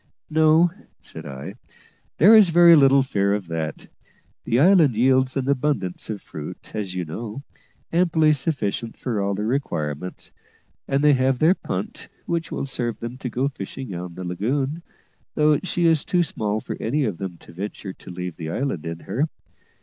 "No," said I, "there is very little fear of that. The island yields an abundance of fruit, as you know, amply sufficient for all their requirements; and they have their punt, which will serve them to go fishing on the lagoon, though she is too small for any of them to venture to leave the island in her.